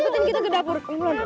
ikutin kita ke dapur